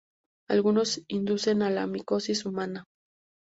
Algunos inducen a la micosis humana.